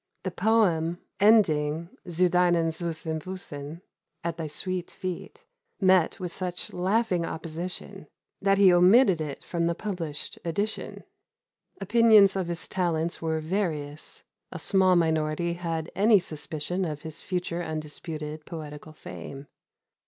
The poem, ending, Zu deinen süssen Füssen ('At thy sweet feet'), met with such laughing opposition, that he omitted it from the published edition. Opinions of his talents were various; a small minority had any suspicion of his future undisputed poetical fame.